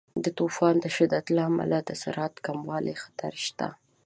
د طوفانونو د شدت له امله د زراعت د کموالي خطر شته.